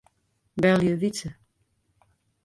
Belje Wytse.